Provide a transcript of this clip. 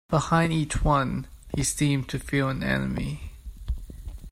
Behind each one he seemed to feel an enemy.